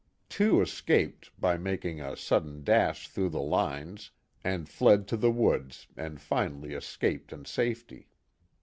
Two escaped, by making a sudden dash through the lines, and fled to the woods and finally es caped in safety.